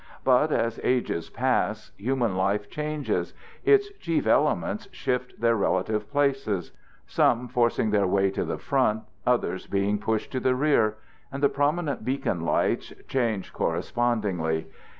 But, as ages pass, human life changes; its chief elements shift their relative places, some forcing their way to the front, others being pushed to the rear; and the prominent beacon lights change correspondingly.